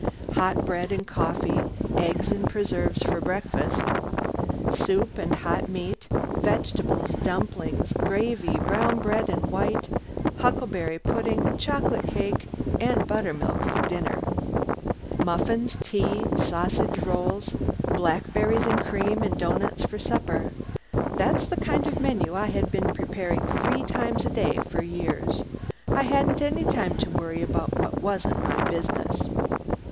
Hot bread and coffee, eggs and preserves for breakfast; soup and hot meat, vegetables, dumplings, gravy, brown bread and white, huckleberry pudding, chocolate cake and buttermilk for dinner; muffins, tea, sausage rolls, blackberries and cream, and doughnuts for supper that's the kind of menu I had been preparing three times a day for years. I hadn't any time to worry about what wasn't my business.